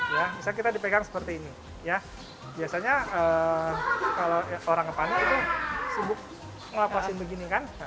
ya misalnya kita dipegang seperti ini ya biasanya kalau orang panik itu sibuk ngelapasin begini kan